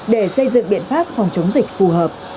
để xây dựng biện pháp phòng chống dịch phù hợp